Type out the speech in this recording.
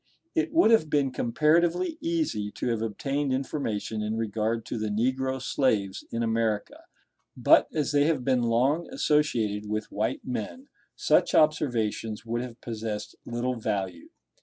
It would have been comparatively easy to have obtained information in regard to the negro slaves in America; but as they have long associated with white men, such observations would have possessed little value.